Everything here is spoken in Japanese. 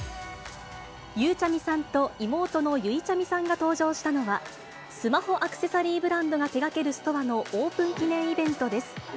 ゆうちゃみさんと妹のゆいちゃみさんが登場したのは、スマホアクセサリーブランドが手がけるストアのオープン記念イベントです。